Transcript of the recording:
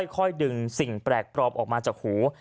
ค่อยดึงสิ่งแปลกปลอมออกมาจากหู